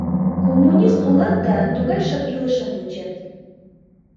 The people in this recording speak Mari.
Коммунист улат да тугай шып илышым вучет...»